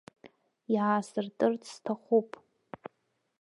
Иаасыртырц сҭахуп.